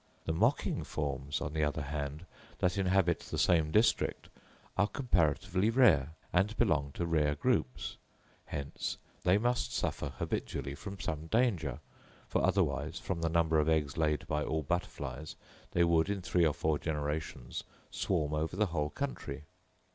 The mocking forms, on the other hand, that inhabit the same district, are comparatively rare, and belong to rare groups; hence, they must suffer habitually from some danger, for otherwise, from the number of eggs laid by all butterflies, they would in three or four generations swarm over the whole country.